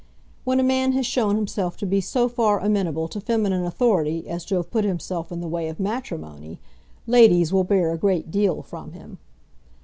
When a man has shown himself to be so far amenable to feminine authority as to have put himself in the way of matrimony, ladies will bear a great deal from him.